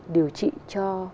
điều trị cho